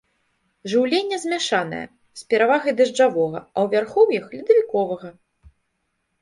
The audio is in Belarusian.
Жыўленне змяшанае, з перавагай дажджавога, а ў вярхоўях ледавіковага.